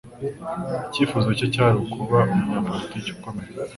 Icyifuzo cye kwari ukuba umunyapolitiki ukomeye.